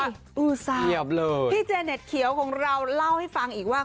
เสียบเลยพี่เจเน็ตเขียวของเราเล่าให้ฟังอีกว่า